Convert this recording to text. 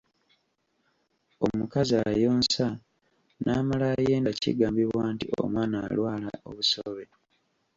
Omukazi ayonsa n'amala ayenda kigambibwa nti omwana alwala obusobe